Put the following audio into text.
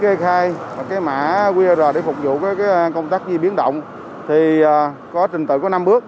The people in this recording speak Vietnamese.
kê khai cái mã qr để phục vụ công tác di biến động thì có trình tự có năm bước